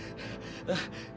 jangan bawa kami ke adipati